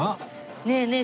ねえねえ